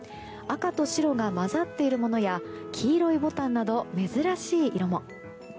赤と白が混ざっているものや黄色いぼたんなど珍しい色も。